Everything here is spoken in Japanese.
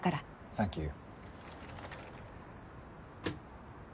サンキュー。